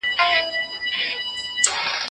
د ماشوم سترګو ته وقفه ورکړئ.